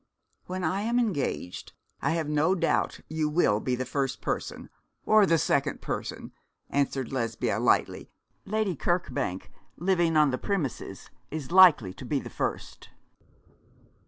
'When I am engaged, I have no doubt you will be the first person, or the second person,' answered Lesbia, lightly. 'Lady Kirkbank, living on the premises, is likely to be the first.'